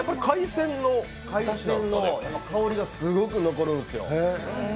海鮮の香りがすごく残るんですよ。